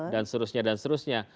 dan seterusnya dan seterusnya